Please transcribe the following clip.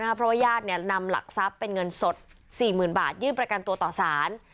เพราะว่าญาตินำหลักทรัพย์เป็นเงินสด๔๐๐๐บาทยื่นประกันตัวต่อสาร